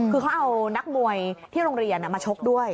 คือเขาเอานักมวยที่โรงเรียนมาชกด้วย